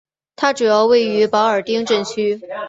它主要位于保尔丁镇区。